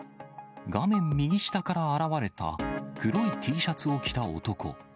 画面右下から現れた、黒いＴシャツを着た男。